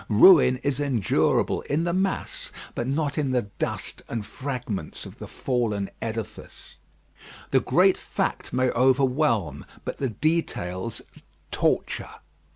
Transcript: Ruin is endurable in the mass, but not in the dust and fragments of the fallen edifice. The great fact may overwhelm, but the details torture.